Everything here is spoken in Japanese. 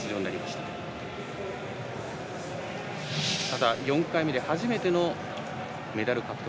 ただ４回目で初めてのメダル獲得。